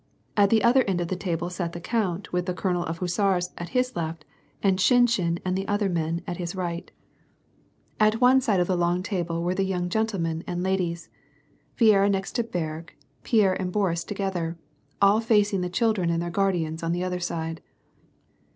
At the other end of the table sat*the count, with the oolonel of hussars at his left, and Shinshin and the other men at his right 72 WAR AND PEACE. At one side of the long table were the young gentlemen and ladies : Viera next to Berg, Pierre and Boris together, all far cing the children and their guardians on the other side.